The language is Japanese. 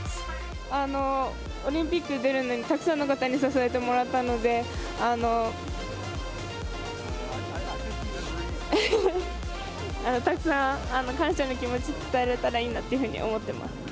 オリンピック出るのにたくさんの方に支えてもらったので、たくさん、感謝の気持ち伝えられたらいいなっていうふうに思ってます。